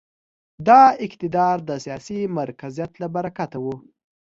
دا اقتدار د سیاسي مرکزیت له برکته و.